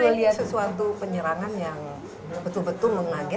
karena ini sesuatu penyerangan yang betul betul mengagetkan ya